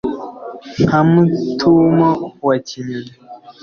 Nka Mutumo wa Kinyoni.